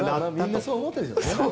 みんなそう思ってるだろうね。